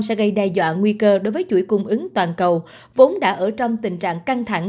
sẽ gây đe dọa nguy cơ đối với chuỗi cung ứng toàn cầu vốn đã ở trong tình trạng căng thẳng